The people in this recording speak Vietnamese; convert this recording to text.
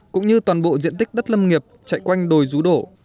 cũng như toàn bộ diện tích đất lâm nghiệp chạy quanh đồi rú đổ